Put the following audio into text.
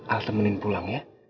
al temenin pulang ya